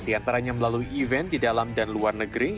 diantaranya melalui event di dalam dan luar negeri